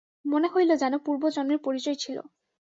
মনে হইল যেন পূর্বজন্মের পরিচয় ছিল।